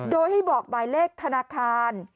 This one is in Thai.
โดยให้บอกหมายเลขธนาคาร